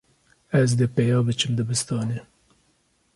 Ez dê peya biçim dibistanê.